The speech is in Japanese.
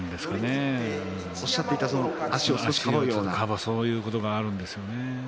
足をかばうことがあるんですよね。